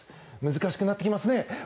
難しくなってきますね。